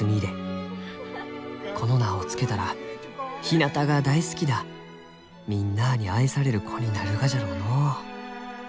この名を付けたらひなたが大好きなみんなあに愛される子になるがじゃろうのう」。